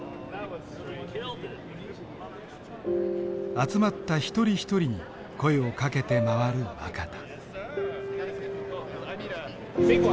集まった一人一人に声をかけて回る若田。